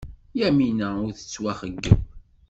Yamina ur tettwaxeyyeb.